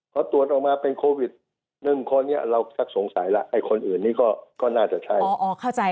พอตรวจออกมาเป็นโควิด๑คนนี้เราสักสงสัยแล้วไอ้คนอื่นนี้ก็น่าจะใช่